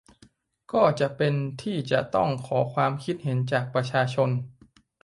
ก็จะเป็นที่จะต้องขอความคิดเห็นจากประชาชน